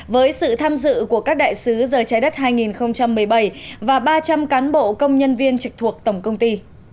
với sự tham dự của các đại sứ giờ trái đất hai nghìn một mươi bảy và ba trăm linh cán bộ công nhân viên trực thuộc tổng công ty